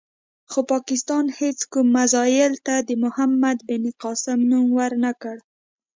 خو پاکستان هېڅ کوم میزایل ته د محمد بن قاسم نوم ور نه کړ.